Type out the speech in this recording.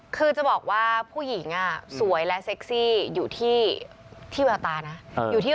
คือจะบอกว่าผู้หญิงสวยและเซ็กซี่อยู่ที่แววตานะ